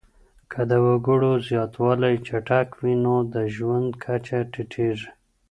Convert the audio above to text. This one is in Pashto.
که د وګړو زياتوالی چټک وي نو د ژوند کچه ټيټيږي.